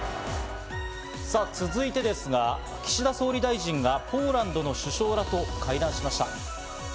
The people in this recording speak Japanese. さぁ、続いてですが岸田総理大臣がポーランドの首相らと会談しました。